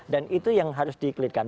dan itu yang harus diklihatkan